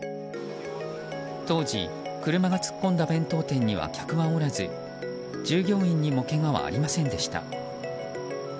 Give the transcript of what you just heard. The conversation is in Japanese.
当時、車が突っ込んだ弁当店には客はおらず従業員にもけがはありませんでした。